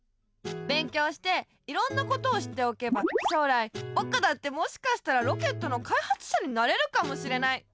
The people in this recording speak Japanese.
勉強していろんなことを知っておけば将来ぼくだってもしかしたらロケットのかいはつしゃになれるかもしれない。